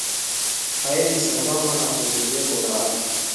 haiendi sambamba na ongezeko la watu